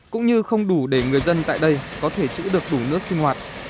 cũng như không đủ để người dân tại đây có thể chữ được đủ nước sinh hoạt